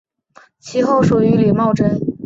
其后属于李茂贞。